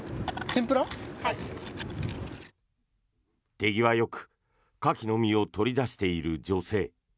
手際よくカキの身を取り出している女性。